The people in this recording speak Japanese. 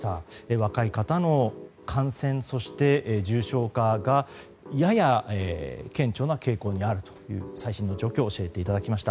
若い方の感染そして重症化がやや顕著な傾向にあるという最新の状況を教えていただきました。